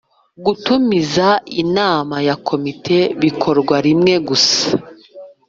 Gutumiza inama ya komite bikorwa rimwe gusa